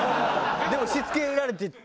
でもしつけられてるから。